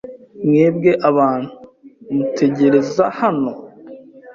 Mwebwe abantu mutegereza hano.